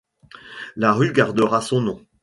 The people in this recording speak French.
La rue gardera son nom.